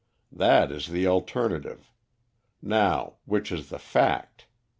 That is the alternative. Now, which is the fact?